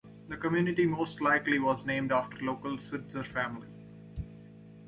The community most likely was named after the local Switzer family.